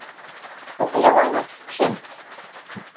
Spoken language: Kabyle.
D lawan ad teččemt.